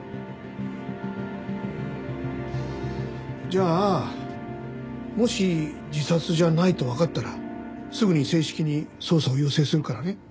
じゃあもし自殺じゃないとわかったらすぐに正式に捜査を要請するからね。